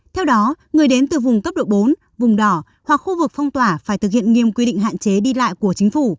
theo đó người đến từ vùng cấp độ bốn vùng đỏ hoặc khu vực phong tỏa phải thực hiện nghiêm quy định hạn chế đi lại của chính phủ